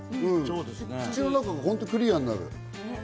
口の中がクリアになる。